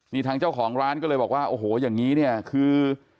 นี่ทางเจ้าของร้านก็เลยบอกว่าโอ้โหอย่างนี้เนี่ยคือ